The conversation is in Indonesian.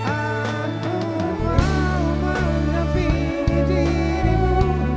aku mau menampingi dirimu